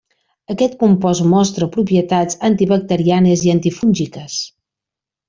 Aquest compost mostra propietats antibacterianes i antifúngiques.